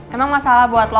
emang masalah buat lo